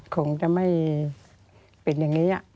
คงจะไม่เป็นอย่างนี้